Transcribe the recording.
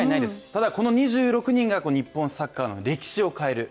ただこの２６人が日本サッカーの歴史を変える。